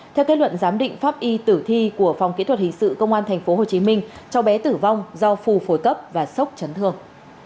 theo kết luận giám định pháp y tử thi của phòng kỹ thuật hình sự công an tp hcm cháu bé tử vong do phù phổi cấp và sốc chấn thương